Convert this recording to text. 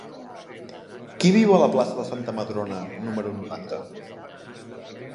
Qui viu a la plaça de Santa Madrona número noranta?